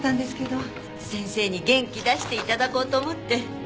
先生に元気出して頂こうと思って。